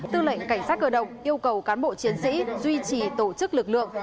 tư lệnh cảnh sát cơ động yêu cầu cán bộ chiến sĩ duy trì tổ chức lực lượng